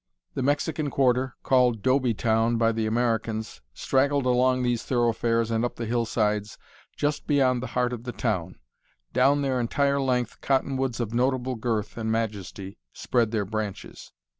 The Mexican quarter, called "Doby Town" by the Americans, straggled along these thoroughfares and up the hillsides just beyond the heart of the town. Down their entire length cottonwoods of notable girth and majesty spread their branches.